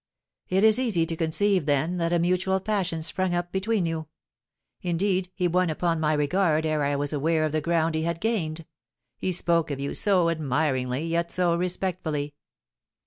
"It is easy to conceive, then, that a mutual passion sprung up between you! Indeed, he won upon my regard ere I was aware of the ground he had gained; he spoke of you so admiringly, yet so respectfully."